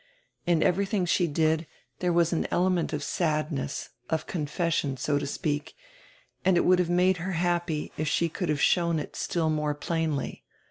In everything she did there was an element of sadness, of confession, so to speak, and it would have made her happy if she could have shown it still more plainly.